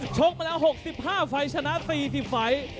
ชกมาแล้ว๖๕ไฟล์ชนะ๔๐ไฟล์